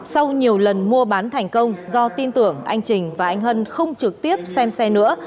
sau nhiều lần mua bán thành công do tin tưởng anh trình và anh hân không trực tiếp xem xe nữa